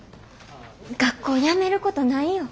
学校やめることないよ。